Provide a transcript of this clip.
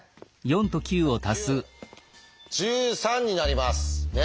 １３になります。